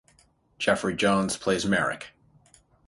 Jeffrey Jones plays Merrick.